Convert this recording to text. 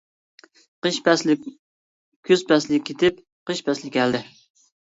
قىش پەسلى كۈز پەسلى كېتىپ، قىش پەسلى كەلدى.